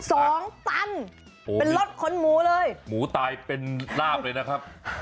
สองตันโอ้โหเป็นรถขนหมูเลยหมูตายเป็นลาบเลยนะครับ